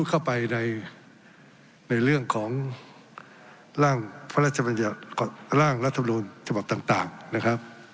พูดเข้าไปในเรื่องของร่างรัฐบรุนฉบับต่างนะครับ